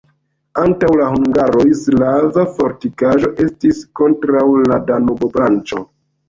Antaŭ la hungaroj slava fortikaĵo estis kontraŭ la Danubo-branĉo.